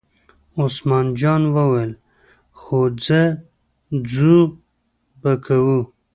عثمان جان وویل: خو ځه څو به کوو.